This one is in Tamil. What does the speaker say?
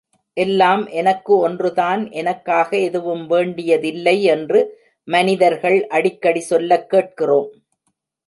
எல்லாம் எனக்கு ஒன்றுதான் எனக்காக எதுவும் வேண்டியதில்லை என்று மனிதர்கள் அடிக்கடி சொல்லக் கேட்கிறோம்.